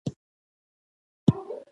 ما ویل ولې خیر دی همدې ته ناست یې.